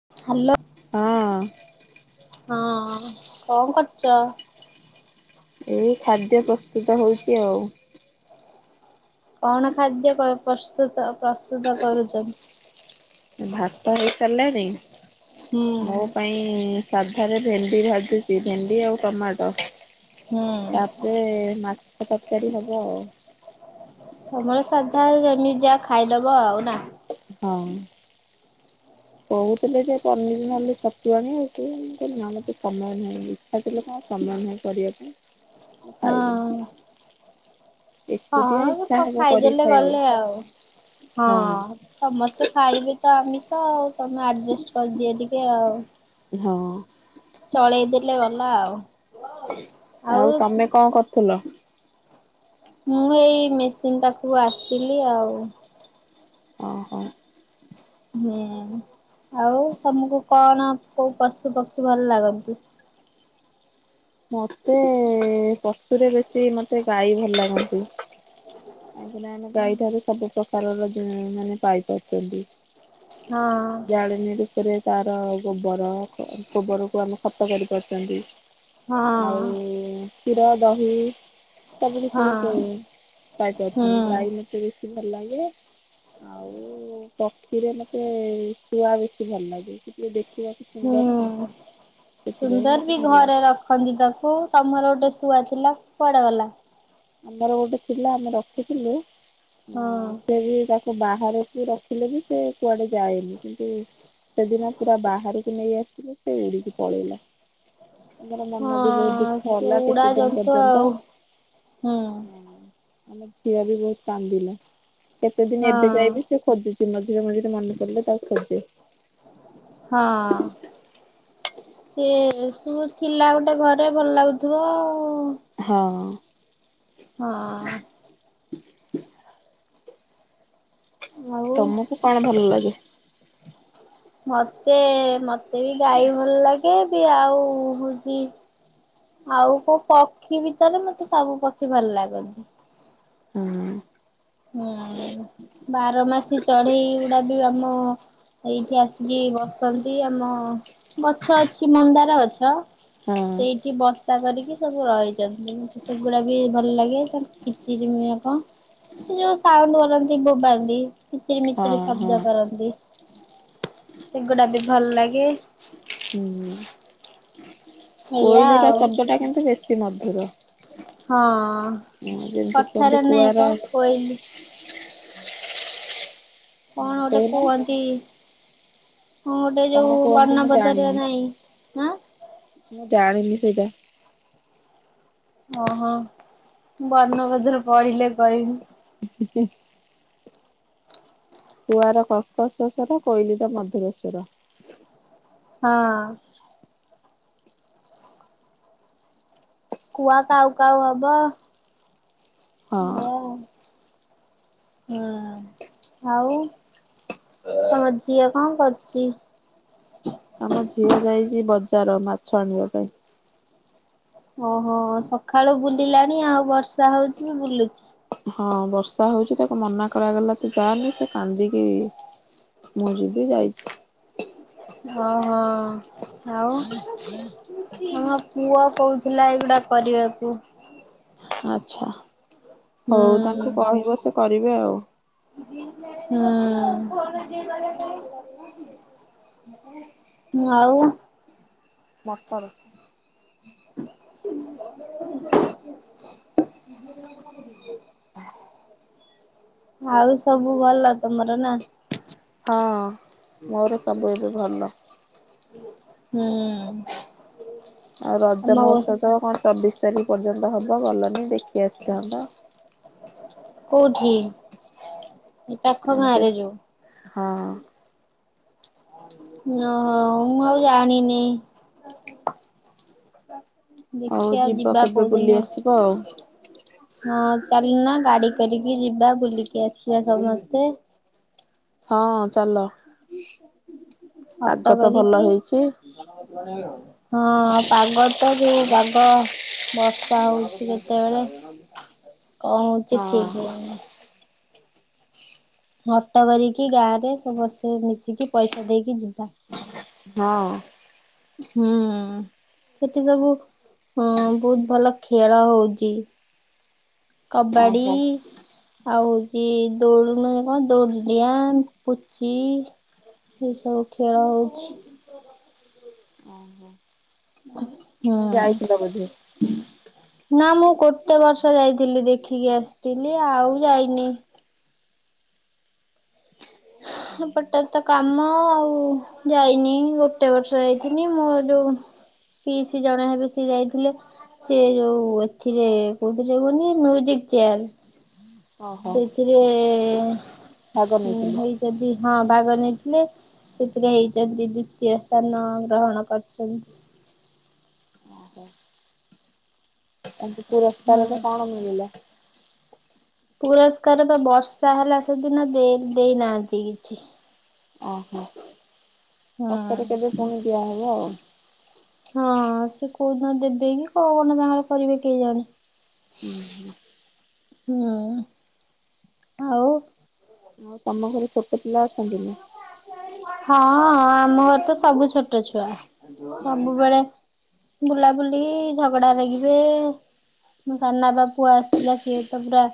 Hello ହଁ କଣ କରୁଚ? ଏଇ ଖାଦ୍ୟ ପ୍ରସ୍ତୁତ ହଉଛି ଆଉ। କଣ ଖାଦ୍ୟ ପ୍ରସ୍ତୁତ ପ୍ରସ୍ତୁତ କରୁଛନ୍ତି? ଭାତ ହୁଁ। ହେଇସାରିଲେଣିି ମୋ ପାଇଁ ସାଧାରେ ଭେଣ୍ଡି ଭାଜୁଛି ଭେଣ୍ଡି ଆଉ ଟମାଟୋ ହୁଁ ତାପରେ ମାଛ ତରକାରୀ ହବ। ତମର ସାଧା ଏମି ଯା ଖାଇଦବ ନା। ହଁ ହଁ କହୁଥିଲେ ଯେ ପନିର ନହେଲେ ଛତୁ ଆଣି ରଖିବେ, ମୁଁ କହିଲି ନା ମତେ ପନିର [unintelligible] କହୁଥିଲେ କଣ ସମୟ ନାହିଁ କରିବା ପା ହଁ। ଖାଇ ହଁ ଇଚ୍ଛା ସେ ହବ କରିକି ଖାଇଦେଲେ ଗଲେ, ଖାଇବାକୁ ଆଉ ହଁ ସମସ୍ତେ ଖାଇବେ ତ ଆମିଷ ଆଉ ତମେ ଆଡଜଷ୍ଟ କରିଦିଅ ଟିକେ ଆଉ। ହଁ ଚଳେଇ ଦେଲେ ଗଲା ଆଉ। ଆଉ ତମେ କଣ କରୁଥିଲ? ମୁଁ ଏଇ ମେସିନ ପାଖକୁ ଆସିଥିଲି ଆଉ। ହଁ ହ ହୁଁ ଆଉ ତମକୁ କଣ କୋଉ ପଶୁ ପକ୍ଷୀ ଭଲ ଲାଗନ୍ତି? ମତେ ପଶୁରେ ବେଶୀ ମତେ ଗାଈ ଭଲ ଲାଗନ୍ତି। କାହିଁକିନା ଆମେ ଗାଈ ଠାରୁ ସବୁ ପ୍ରକାରର ମାନେ ପାଇପାରୁଛନ୍ତି। ହଁ ଜାଳମୀରୁ ସେଥିରେ ତାର ଗୋବର ଗୋବରକୁ ଆମେ ଖତ କରିପାରୁଛନ୍ତି। ଆଉ ହଁ କ୍ଷୀର ଦହି ସବୁ ହଁ କିଛି ହୁଁ ପାଇପାରୁଛନ୍ତି ଗାଈ ମତେ ବେଶୀ ଭଲ ଲାଗେ ଆଉ ପକ୍ଷୀରେ ମତେ ଶୁଆ ବେଶି ଭଲ ଲାଗେ, ଟିକେ ଦେଖିବାକୁ ହୁଁ ସୁନ୍ଦର ନା ସେଥିପାଇଁ ସୁନ୍ଦର ମୋତେ ବି ଭଲ ଘରେ ଲାଗେ ରଖ ଖଞ୍ଜିତାକୁ ତୁମର ଗୋଟେ ଶୁଆ ଥିଲା କୁଆଡ଼େ ଗଲା? ଆମର ଗୋଟେ ଥିଲା ଆମେ ରଖିଥିଲୁ ହଁ ସେ ବି ବାହାରକୁ ରଖିଲେ ବି ସେ କୁଆଡେ ଯାଏନି, କିନ୍ତୁ ସେଦିନ ପୁରା ବାହାରକୁ ନେଇ ଆସିଲେ ସେ ଉଡିକି ପଳେଇଲା। ଆମର ହଁ ମନ ବି ବହୁତ ଦୁଃଖ ସେ ହେଲା ଉଡା କେତେ ଦିନ ଜନ୍ତୁ ଆଉ ପର୍ଯ୍ୟନ୍ତ। ହୁଁ ଆମ ଝିଅ ବି ବହୁତ କାନ୍ଦିଲା କେତେ ଦିନ ହଁ ଏବେ ଯାଇବି ସେଏ ଖୋଜୁଛି ମଝିରେ ମଝିରେ ମନେ ପଡ଼ିଲେ ତାକୁ ଖୋଜେ। ହଁ ସେ ସୁ ଥିଲା ଗୋଟେ ଘରେ ଭଲ ଲାଗୁଥିବ ଆଉ ହଁ ହଁ ଆଉ ତମକୁ କଣ ଭଲ ଲାଗେ? ମତେ ମତେ ବି ଗାଈ ଭଲ ଲାଗେ, ବି ଆଉ ହଉଛି ଆଉ କୋଉ ପକ୍ଷୀ ଭିତରେ ମତେ ସବୁ ପକ୍ଷୀ ଭଲ ଲାଗନ୍ତି। ହୁଁ ହୁଁ ବାରମାସୀ ଚଢ଼େଇ ଗୁଡ଼ା ଆମ ଏଇଠି ଆସିକି ବସନ୍ତି। ଆମ ଗଛ ଅଛି ମନ୍ଦାର ଗଛ ହଁ ସେଇ କି ବସା କରିକି ସବୁ ରହିଛନ୍ତି ମୋତେ ସେଗୁଡ଼ା ବି ଭଲ ଲାଗେ ତା କିଚିରିକ ଯୋଉ ସାଉଣ୍ଡ କରନ୍ତି ବୋବାନ୍ତି କିଚିରି ହଁ ମିଚିରି ହଁ ଶବ୍ଦ କରନ୍ତି। ଗୁଡା ବି ଭଲ ଲାଗେ। ହୁଁ ଏଇଆ କୋଇଲିର ଆଉ ଶବ୍ଦ ଟା କିନ୍ତୁ ବେଶୀ ମଧୁର। ହଁ ଯେମିତି କୁହନ୍ତି କୁଆର ବୋଇଲ କଣ ଗୁଟେ କହୁନା କୁହନ୍ତି? କଣ ଗୋଟେ କଣ ଯୋଉ କୁହନ୍ତି ମୁଁ ବର୍ଣ୍ଣବୋଧରେ ଜାଣିନି। ନାହିଁ ଆଁ ମୁଁ ଜାଣିନି ସେଇଟା। ଓହୋ ବର୍ଣ୍ଣବୋଧରେ ପଢିଲେ କହିବି। [unintelligible] କୁଆର କ୍କଶେଶ୍ୱର କୋଇଲିର ମଧୁରେଶ୍ଵର। ହଁ। କୁଆ କାଉ କାଉ ହବ ଏ ହଁ। ହୁଁ ଆଉ। ତମ ଝିଅ କଣ କରୁଛି? ଆମ ଝିଅ ଯାଇଛି ବଜାର ମାଛ ଆଣିବା ପାଇଁ। ଓହୋ ସକାଳୁ ବୁଲିଲାଣି ଆଉ ବର୍ଷା ହଉଛି ବି ବୁଲୁଚ ହଁ ବର୍ଷା ହଉଛି ତାକୁ ମନା କରାଗଲା ତୁ ଯାନି ସେ କାନ୍ଦିକି ମୁଁ ଯିବି ଯାଇଛି। ହଁ ହଁ ଆଉ। ହଁ ହଁ ପୁଅ କହୁଥିଲା ଏଇଗୁଡା କରିବାକୁ। ଆଛା ହଉ ହୁଁ। ତାଙ୍କୁ କହିବ ସେ କରିବେ ଆଉ। ହୁଁ। ଆଉ। [unintelligible] [inaudible] [unintelligible] ଆଉ ସବୁ ଭଲ ତମର ନା। ହଁ ମୋର ସବୁ ଏବେ ଭଲ। ହୁଁ। ଆଉ ରଜ ଆମ ମହୋତ୍ସବ ଓସ୍ ତ କଣ ଚବିଶ ତାରିଖ ପର୍ଯ୍ୟନ୍ତ ହବ ଗଲନି ଦେଖି ଆସିଥାନ୍ତ। କୋଉଠି ଏ ପାଖ ଗାଁ ରେ ଯୋଉ। ହଁ ଓହୋ ମୁଁ ଆଉ ଜାଣିନି। ହଉ ଦେଖିବା ଯିବ ଯିବା କେବେ ବୁଲି କୋଉଦିନ। ଆସିବ ଆଉ ହଁ ଚାଲ ନା ଗାଡି କରିକି ଯିବା ବୁଲିକି ଆସିବା ସମସ୍ତେ। ହଁ ଚାଲ ଅଟୋ ଆଗ ତ ଭଲ କରିକି ହେଇଛି। ହଁ ପାଗ ତ ଯୋଉ ବାଘ ବର୍ଷା ହଉଛି କେତେବେଳେ କଣ ହଉଛି ହଁ ଠିକ ହଉନାହିଁ। ହଟ କରିକି ଗାଁରେ ସମସ୍ତେ ମିଶିକି ପଇସା ଦେଇକି ଯିବା। ହଁ ହଁ। ହୁଁ ସେଠି ସବୁ ହଁ ବହୁତ ଭଲ ଖେଳ ହଉଛି। କବାଡ଼ି। ଓହୋ ଆଉ ହଉଛି ଦୌଡ଼ ଦୌଡିଡିଆଁ ପୁଚି ଏଇ ସବୁ ଖେଳ ହଉଛି। ଓହୋ ମାନେ ଯାଇଥିଲ ବୋଧେ ହଁ ନା ମୁଁ ଗୋଟେ ବର୍ଷ ଯାଇଥିଲି ଦେଖିକି ଆସିଥିଲି ଆଉ ଯାଇନି। ଏପଟେ ତ କାମ ଆଉ। ଯାଇନି ଗୋଟେ ବର୍ଷ ଯାଇଥଲି ମୁଁ ଯୋଉ ପିଇସୀ ଜଣେ ହେବେ ସିଏ ଯାଇଥିଲେ। ସେ ଯୋଉ ଏଥିରେ କୋଉଥିରେ କୁହନି ମ୍ୟୁଜିକ ଚେୟାର। ଓହୋ ଏଥିରେ ଭାଗ ନେଇଥିଲି ହୋଇଚନ୍ତି ହଁ ଭାଗ ନେଇଥିଲେ। ସେଥିରେ ହେଇଚନ୍ତି ଦ୍ଵିତୀୟ ସ୍ଥାନ ଗ୍ରହଣ କରିଚନ୍ତି। [unintelligible] ପୁରସ୍କାର ହଁ ଟା କଣ ମିଳିଲା? ପୁରସ୍କାର ବା ବର୍ଷା ହେଲା ସେଦିନ ଦେଇ ଦେଇନାହାନ୍ତି କିଛି। ଅ ହ ପଛରେ ହୁଁ। କେବେ ପୁଣି ଦିଆ ହବ ଆଉ। ହଁ ସେ କୋଉଦିନ ଦେବେ କି କଣ ଗୋଟିଏ ତାଙ୍କର କରିବେ କେଜାଣି। ଉଁ ହୁଁ ହୁଁ ଆଉ ଆଉ ତମ ଘରେ ଛୋଟ ପିଲା ଅଛନ୍ତି ନା? ହଁ ଅ ଆମ ଘର ତ ସବୁ ଛୋଟ ଛୁଆ ସବୁବେଳେ ବୁଲାବୁଲି ଝଗଡା ଲାଗିବେ। ମୋ ସାନବାପା ପୁଅ ଆସିଥିଲା ସିଏ ତ ପୁରା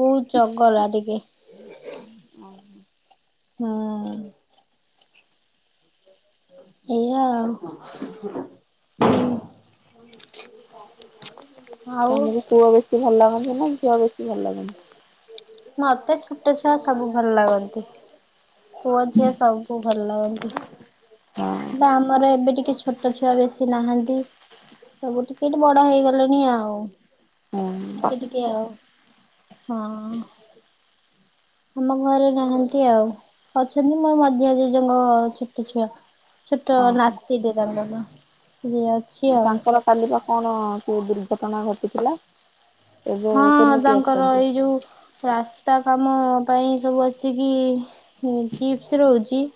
ବହୁତ ଚଗଲା ଟିକେ ଓହୋ ହଁ ଏଇଆ ଆଉ। ଆଉ ତମକୁ ପୁଅ ବେଶୀ ଭଲ ଲାଗନ୍ତି ନା ଝିଅ ବେଶୀ ଭଲ ଲାଗନ୍ତି? ମତେ ଛୋଟ ଛୁଆ ସବୁ ଭଲ ଲାଗନ୍ତି। ପୁଅଝିଅ ସବୁ ଭଲ ଲାଗନ୍ତି। ହେଲେ ହଁ ଆମର ଏବେ ଟିକେ ଛୋଟ ଛୁଆ ବେଶୀ ନାହାନ୍ତି। ସବୁ ଟିକେ ବଡ ହେଇଗଲେଣି ଆଉ। ଟିକେ ଓହୋ ଟିକେ ଆଉ ହଁ ଆମ ଘରେ ନାହାନ୍ତି ଆଉ ଅଛନ୍ତି ମୋ ମଝିଆ ଜେଜେଙ୍କ ଛୋଟଛୁଆ। ଛୋଟ ଆଉ ନାତିଟେ ତାଙ୍କର ଅଛି ଆଉ। ତାଙ୍କର କାଲି ବା କଣ କୋଉ ଦୁର୍ଘଟଣା ଘଟିଥିଲା? ଏବେ ହଁ କେମିତି ତାଙ୍କର ଅଛନ୍ତି? ଏଇ ଯୋଉ ରାସ୍ତା କାମ ପାଇଁ ସବୁ ଆସିକି ଚିପ୍ସ ରହୁଛି।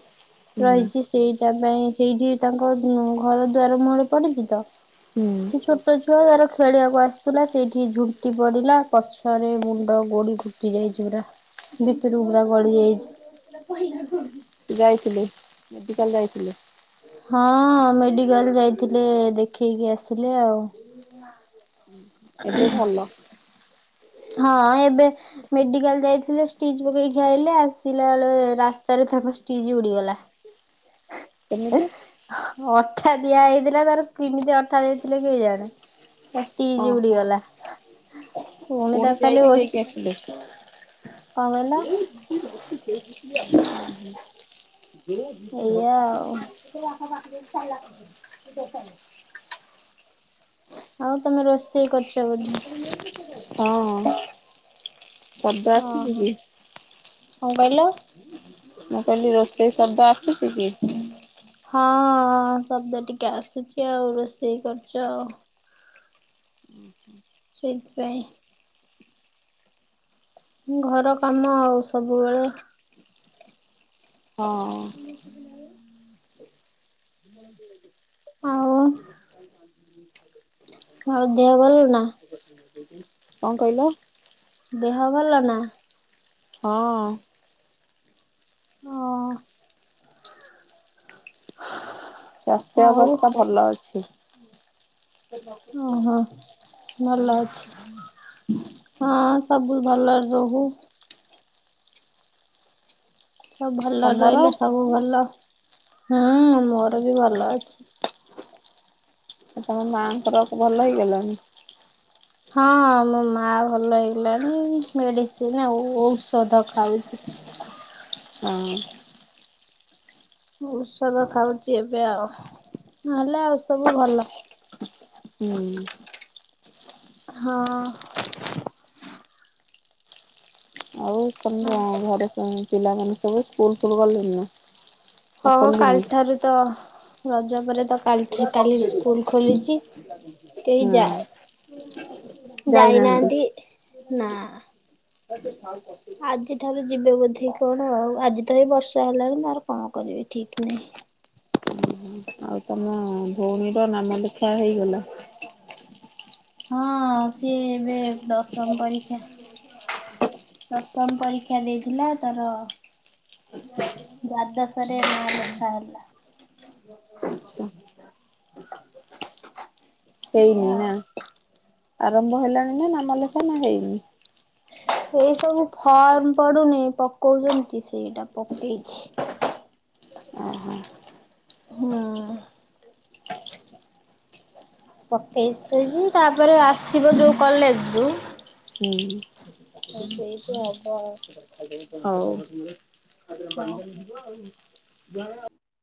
ହୁଁ ରହିଛି ସେଇଟା ପାଇଁ ସେଇଠି ତାଙ୍କ ଘର ଦୁଆାର ମୁହଁରେ ପଡିଛି ତ ସେ ହୁଁ ଛୋଟ ଛୁଆ ତାର ଖେଳିବାକୁ ଆସିଥିଲା ସେଇଠି ଝୁଣ୍ଟି ପଡିଲା ପଛରେ ମୁଣ୍ଡ ଗୋଡି ଫୁ ଫୁଟି ଯାଇଛି ପୁରା ଭିତରକୁ ପୁରା ଗଳି ଯାଇଛି। ଯାଇଥିଲି ମେଡିକାଲ ଯାଇଥିଲେ। ହଁ ମେଡ଼ିକାଲ ଯାଇଥିଲେ ଦେଖେଇକି ଆସିଲେ ଆଉ ଏବେ ଭଲ। ହଁ ଏବେ ମେଡିକାଲ ଯାଇଥିଲେ ଷ୍ଟିଜ୍ ପକେଇକି ଆଇଲେ ଆସିଲା ବେଳେ ରାସ୍ତାରେ ତାଙ୍କ ଷ୍ଟିଜ୍ ଉଡିଗଲା [unintelligible] କେମିତି ହ ଅଠା ଦିଆ ହେଇଥିଲା ତାର କେମିତି ଅଠା ଦେଇଥିଲେ କେ ଜାଣେ ତା ଷ୍ଟିଜ୍ ଓହୋ ଉଡିଗଲା ପୁଣି ତାକୁ ଖାଲି ଯାଇକି ଓଷ ଦେଇକି ଆସିଲେ କଣ କହିଲ ଏଇଆ ଆଉ [unintelligible] [unintelligible] ଆଉ ତମେ ରୋଷେଇ କରୁଛ ବୋଧେ? ହଁ- ଅଁ। ହଁ ହଁ କଣ କହିଲ? ମୁଁ କହିଲି ରୋଷେଇ ଶବ୍ଦ ଆସୁଛି କି? ହଁ ଶବ୍ଦ ଟିକେ ଆସୁଛି ଆଉ ରୋଷେଇ କରୁଛ ଆଉ। [inaudible] ସେଇଥି ପାଇଁ। ଘର କାମ ଆଉ ସବୁବେଳେ। ହଁ। ଆଉ? ଆଉ ଦେହ ଭଲ ନା? କଣ କହିଲ? ଦେହ ଭଲ ନା? ହଁ- ଅଁ। ହଁ। ସ୍ୱାସ୍ଥ୍ୟ ଆଉ ଅବସ୍ଥା ଭଲ ଅଛି। ଓହୋ ଭଲ ଅଛି। [inaudible] ହଁ ସବୁ ଭଲରେ ରହୁ। ସବୁ ଭଲରେ ତମର ରହିଲେ ସବୁ ଭଲ ହୁଁ ମୋର ବି ଭଲ ଅଛି। ସେ ତମ ମାଆଙ୍କର ଭଲ ହେଇଗଲାଣି? ହଁ ମୋ ମା ଭଲ ହେଇଗଲାଣି ମେଡ଼ିସିନ୍ ଆଉ ଔଷଧ ଖାଉଛି। ଅଁ। ଔଷଧ ଖାଉଛି ଏବେ ଆଉ ନହେଲେ ଆଉ ସବୁ ଭଲ। ହୁଁ। ହଁ - ଅଁ। ଆଉ ତମ ଘରେ ପିଲାମାନେ ସବୁ ସ୍କୁଲ ଫଲ ଗଲେଣି ନା? ଆଉ ହଁ ଖୋଲିନି କାଲି ଠାରୁ ତ ରଜ ପରେ ତ କାଲ୍ ଠୀ କାଲି ସ୍କୁଲ ଖୋଲିଛି, କେହି ହଁ ଯା ଯାଇନାହାନ୍ତି ନା। [unintelligible] ଆଜି ଠାରୁ ଯିବେ ବୋଧେ କଣ ଆଉ ଆଜି ତ ଏ ବର୍ଷା ହେଲାଣି ଆଉ କଣ କରିବି ଠିକ୍ ନୁହେଁ। ଆଉ ତମ ଭଉଣୀର ନାମ ଲେଖା ହେଇଗଲା? ହଁ ସିଏ ଏବେ ଦଶମ ପରୀକ୍ଷା। ଦଶମ ପରୀକ୍ଷା ଦେଇଥିଲା ତାର। ଦ୍ଵାଦଶ ରେ ନାଆଁ ଲେଖା ହେଲା। ଆଚ୍ଛା। [inaudible] ହେଇନି ଏଇଆ ଆଉ। ନା ଆରମ୍ଭ ହେଲାଣି ନା ନାମ ଲେଖା ନା ହେଇନି? ଏଇ ସବୁ ଫର୍ମ ପଡ଼ୁନି ପକଉଛନ୍ତି ସେଇଟା ପକେଇଛି, ଓହୋ ହୁଁ, ପକେଇସାଇଲି ତାପରେ ଆସିବ ଯୋଉ କଲେଜ୍ ଯୁ ହୁଁ, ହବ ଆଉ, ହଉ,